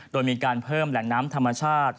โดยมีการเพิ่มแหล่งน้ำธรรมชาติ